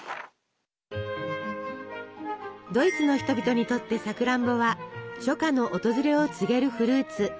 ドイツの人々にとってさくらんぼは初夏の訪れを告げるフルーツ。